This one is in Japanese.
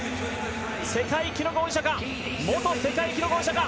世界記録保持者か元世界記録保持者か。